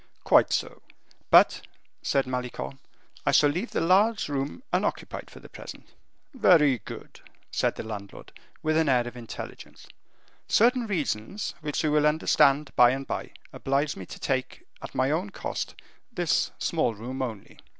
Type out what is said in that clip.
"Quite so." "But," said Malicorne, "I shall leave the large room unoccupied for the present." "Very good!" said the landlord, with an air of intelligence. "Certain reasons, which you will understand by and by, oblige me to take, at my own cost, this small room only."